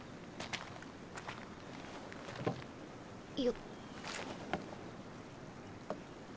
よっ。